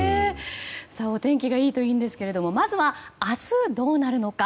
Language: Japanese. お天気いいといいんですがまず明日どうなるのか。